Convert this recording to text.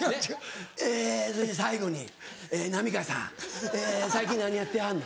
「え最後に浪川さんえ最近何やってはんの？」。